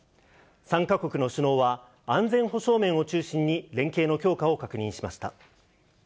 ３か国の首脳は、安全保障面を中心に連携の強化を確認しました。